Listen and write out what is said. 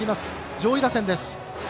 上位打線です。